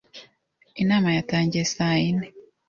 Inama yatangiye saa yine.